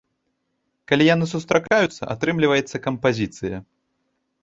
Калі яны сустракаюцца, атрымліваецца кампазіцыя.